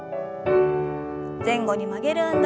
前後に曲げる運動です。